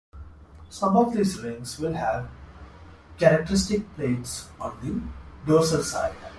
Some of these rings will have characteristic plates on the dorsal side.